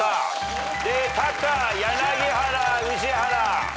でタカ柳原宇治原。